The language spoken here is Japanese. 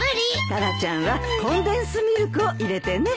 タラちゃんはコンデンスミルクを入れてね。